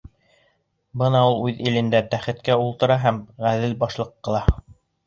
Бына ул үҙ илендә тәхеткә ултыра һәм ғәҙел батшалыҡ ҡыла.